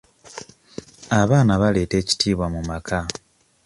Abaana baleeta ekitiibwa mu maka.